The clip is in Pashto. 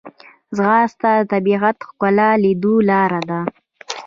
ځغاسته د طبیعت ښکلا لیدو لاره ده